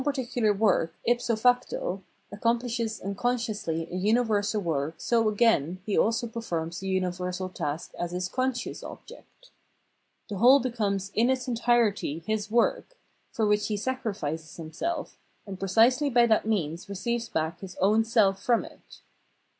particular work if so facto accomplishes unconsciously a universal work so again he also performs the universal task as his conscious object. The whole becomes in its entirety his work, for Realisation of Rational Self Consciousness 34S which he sacrifices himself, and precisely by that means receives back his own self from it.